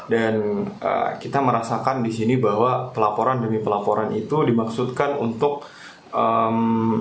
dan kita merasakan di sini bahwa pelaporan demi pelaporan itu dimaksudkan untuk menghilangkan suara suara